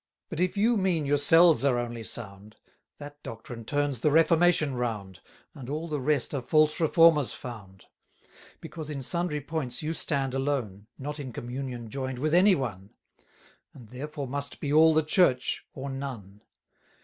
But if you mean yourselves are only sound, That doctrine turns the Reformation round, And all the rest are false reformers found; Because in sundry points you stand alone, Not in communion join'd with any one; And therefore must be all the Church, or none.